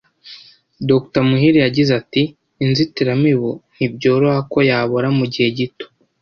Dr. Muhire yagize ati “Inzitiramibu ntibyoroha ko yabora mu gihe gito